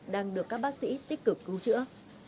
đang được các bác sĩ tích cực cứu chữa